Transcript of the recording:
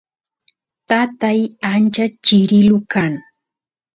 tatay ancha chirilu kan